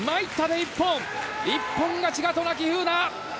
一本勝ち、渡名喜風南！